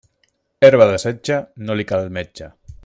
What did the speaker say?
Herba de setge, no li cal metge.